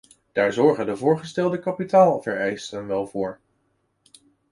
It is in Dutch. Daar zorgen de voorgestelde kapitaalvereisten wel voor.